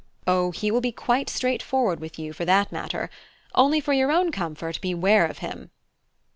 O, he will be quite straightforward with you, for that matter. Only for your own comfort beware of him!"